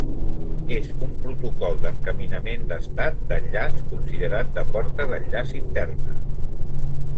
És un protocol d'encaminament d'estat d'enllaç considerat de porta d'enllaç interna.